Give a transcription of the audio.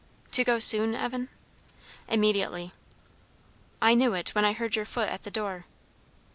"To go soon, Evan?" "Immediately." "I knew it, when I heard your foot at the door."